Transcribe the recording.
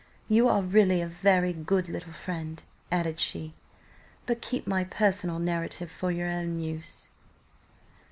'" "You are really a very good little friend," added she, "but keep my personal narrative for your own use."